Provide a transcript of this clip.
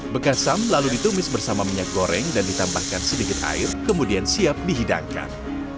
bekasam lalu ditumis bersama minyak goreng dan ditambahkan sedikit air kemudian siap dihidangkan